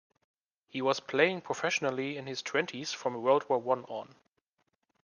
He was playing professionally in his twenties, from World War One on.